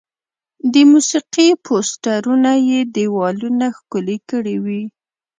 د موسیقي پوسټرونه یې دیوالونه ښکلي کړي وي.